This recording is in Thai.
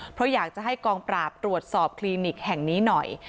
เพราะอยากจะให้กองปราบตรวจสอบคลินิกแห่งนี้หน่อย